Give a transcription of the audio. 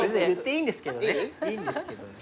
いいんですけど。